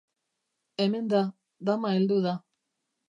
Hemen da, dama heldu da.